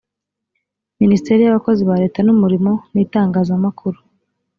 minisiteri y’abakozi ba leta n’umurimo n’itangazamakuru